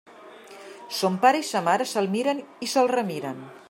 Son pare i sa mare se'l miren i se'l remiren.